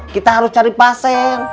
kita harus cari pasien